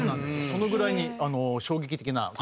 そのぐらいに衝撃的な事で。